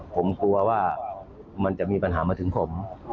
ผมกลัวว่ามันจะมีปัญหามาถึงผม